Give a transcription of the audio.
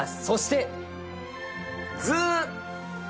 そして。